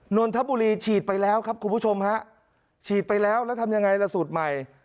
นนทบุรีฉีดไปแล้วครับคุณผู้ชมฮะฉีดไปแล้วแล้วทำยังไงล่ะสูตรใหม่